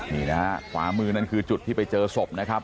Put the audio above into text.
นี่นะฮะขวามือนั่นคือจุดที่ไปเจอศพนะครับ